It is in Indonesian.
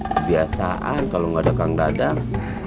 kebiasaan kalau gak dekang dadang